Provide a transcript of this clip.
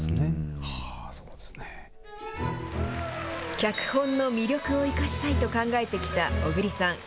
脚本の魅力を生かしたいと考えてきた小栗さん。